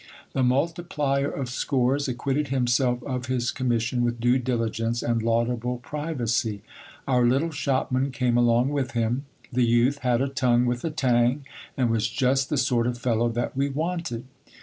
The multiplier of scores acquitted himself of his commission with due diligence and laudable privacy. Our little shopman came along with him. The youth had a tongue with a tang, and was just the sort of fellow that we wanted.